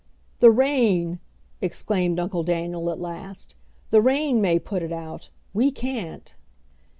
"The rain!" exclaimed Uncle Daniel at last, "The rain may put it out; we can't."